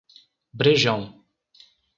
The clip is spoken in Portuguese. Brejão